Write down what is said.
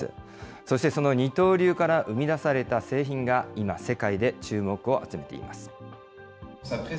そしてその二刀流から生み出された製品が今、世界で注目を集めています。